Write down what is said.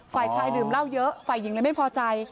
ฝ่ายชายดื่มเหล้าเยอะฝ่ายหญิงเลยไม่พอใจ